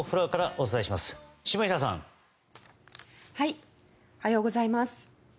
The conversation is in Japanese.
おはようございます。